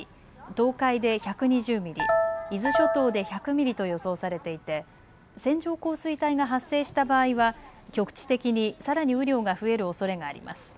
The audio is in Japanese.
東海で１２０ミリ伊豆諸島で１００ミリと予想されていて線状降水帯が発生した場合は局地的に、さらに雨量が増えるおそれがあります。